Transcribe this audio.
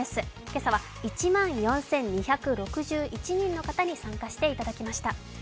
今朝は１万４２６１人の方に参加していただきました。